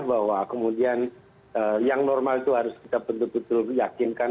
bahwa kemudian yang normal itu harus kita betul betul yakinkan